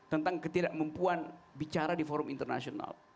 tentang ketidakmampuan bicara di forum internasional